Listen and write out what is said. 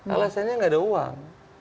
alasannya gak ada uang